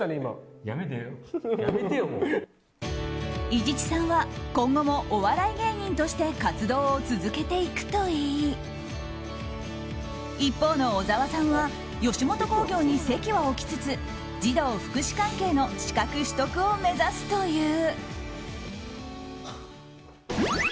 伊地知さんは今後もお笑い芸人として活動を続けていくといい一方の小澤さんは吉本興業に籍を置きつつ児童福祉関係の資格取得を目指すという。